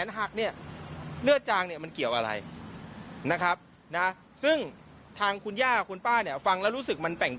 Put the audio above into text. งงเหมือนกันนะคะตรงนี้